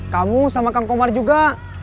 kamu sama kang komar juga